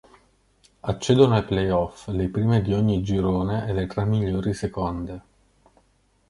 Accedono ai playoff le prime di ogni girone e le tre migliori seconde.